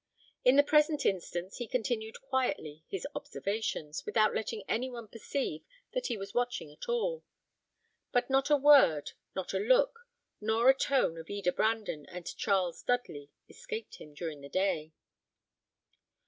In the present instance he continued quietly his observations, without letting any one perceive that he was watching at all; but not a word, nor a look, nor a tone of Eda Brandon and Charles Dudley escaped him during the day.